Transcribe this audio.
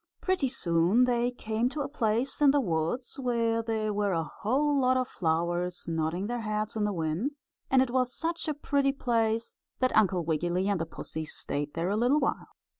Pretty soon they came to a place in the woods where there were a whole lot of flowers nodding their heads in the wind, and it was such a pretty place that Uncle Wiggily and the pussy stayed there a little while.